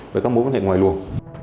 với các mối quan hệ ngoài luồng